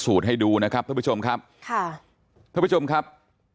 ให้ดูนะครับท่านผู้ชมครับค่ะท่านผู้ชมครับ